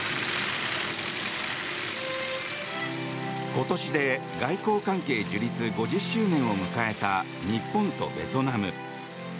今年で外交関係樹立５０周年を迎えた日本とベトナム。